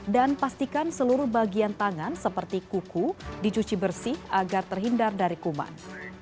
dan pastikan seluruh bagian tangan seperti kuku dicuci bersih agar terhindar dari kuman